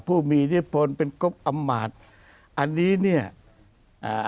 ผู้มีที่ฝนเป็นกลุ่มอำมาตย์อันนี้เนี้ยอ่า